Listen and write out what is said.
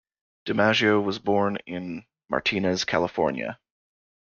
DiMaggio was born in Martinez, California.